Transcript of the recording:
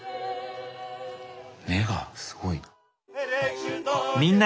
目がすごいな。